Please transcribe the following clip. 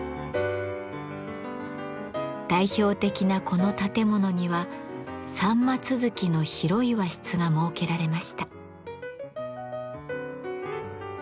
代表的なこの建物には三間続きの広い和室が設けられました。